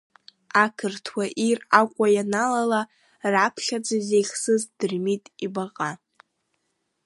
Ақырҭуа ир Аҟәа ианалала, раԥхьаӡа изеихсыз Дырмит ибаҟа!